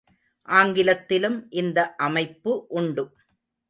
ஆங்கிலத்திலும் இந்த அமைப்பு உண்டு.